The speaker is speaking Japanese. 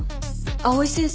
藍井先生？